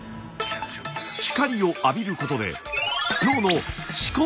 光を浴びることで脳の視